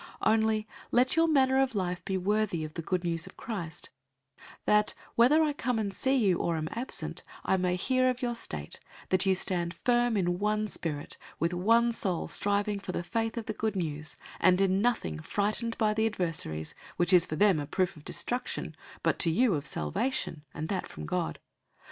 001:027 Only let your manner of life be worthy of the Good News of Christ, that, whether I come and see you or am absent, I may hear of your state, that you stand firm in one spirit, with one soul striving for the faith of the Good News; 001:028 and in nothing frightened by the adversaries, which is for them a proof of destruction, but to you of salvation, and that from God.